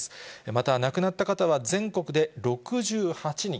また亡くなった方は、全国で６８人。